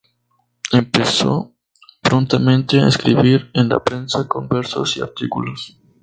Empezó prontamente a escribir en la prensa con versos y artículos.